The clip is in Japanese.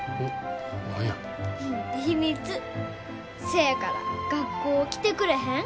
せやから学校来てくれへん？